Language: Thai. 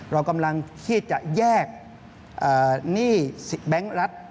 เรากำลังที่จะแยกหนี้แบงค์รัฐ